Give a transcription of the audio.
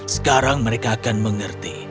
sekarang mereka akan mengerti